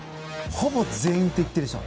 ほぼ全員と言っていいでしょう。